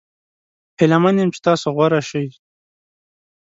هیله من یم چې تاسو غوره شي.